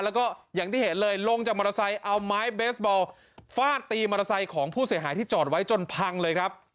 แล้วก็อย่างที่เห็นเลยลงจากมอเตอร์ไซค์เอาไม้เบสบอลฟาดตีมอเตอร์ไซค์ของผู้เสียหายที่จอดไว้จนพังเลยครับ